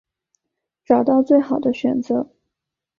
找到最好的选择